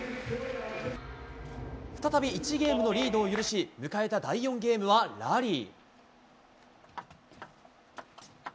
再び１ゲームのリードを許し迎えた第４ゲームはラリー。